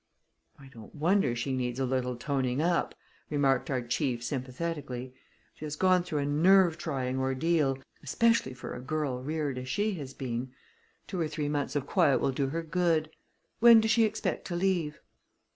"I don't wonder she needs a little toning up," remarked our chief sympathetically. "She has gone through a nerve trying ordeal, especially for a girl reared as she has been. Two or three months of quiet will do her good. When does she expect to leave?"